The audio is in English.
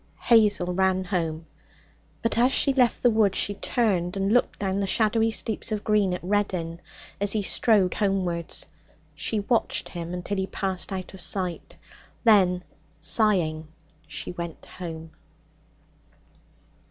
Hazel ran home. But as she left the wood she turned and looked down the shadowy steeps of green at Reddin as he strode homewards. She watched him until he passed out of sight; then, sighing, she went home.